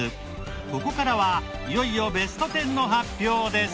ここからはいよいよベスト１０の発表です。